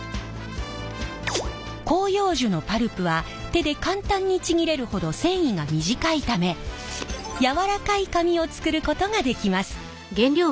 広葉樹のパルプは手で簡単にちぎれるほど繊維が短いため柔らかい紙を作ることができます。